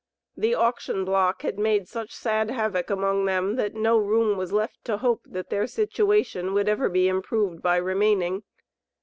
The auction block had made such sad havoc among them, that no room was left to hope, that their situation would ever be improved by remaining.